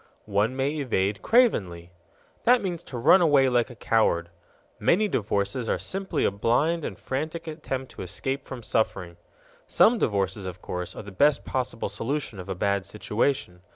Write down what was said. One may evade cravenly._ That means to run away like a coward. Many divorces are simply a blind and frantic attempt to escape from suffering. Some divorces, of course, are the best possible solution of a bad situation.